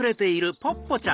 ポッポちゃん！